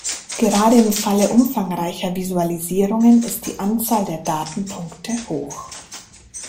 Gerade im Falle umfangreicher Visualisierungen ist die Anzahl der Datenpunkte hoch.